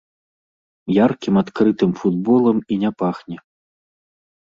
Яркім адкрытым футболам і не пахне.